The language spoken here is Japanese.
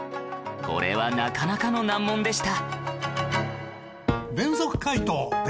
これはなかなかの難問でした